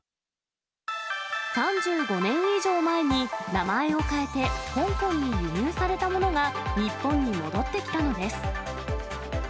３５年以上前に名前を変えて、香港に輸入されたものが日本に戻ってきたのです。